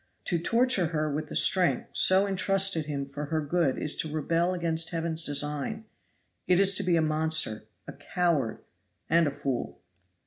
To torture her with the strength so intrusted him for her good is to rebel against heaven's design it is to be a monster, a coward, and a fool!